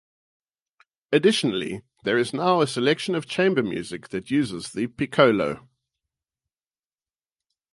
Additionally, there is now a selection of chamber music that uses the piccolo.